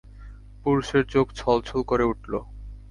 পুরুষের চোখ ছল ছল করে উঠল।